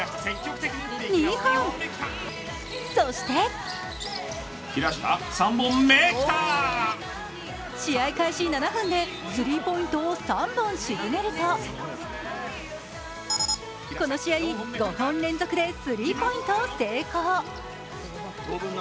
そして試合開始７分でスリーポイントを３本沈めるとこの試合、５本連続でスリーポイントを成功。